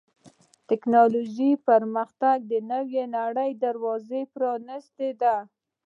د ټکنالوجۍ پرمختګ د نوې نړۍ دروازه پرانستې ده.